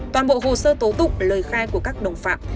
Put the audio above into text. toàn bộ hồ sơ tố tụng lời khai của các đồng phạm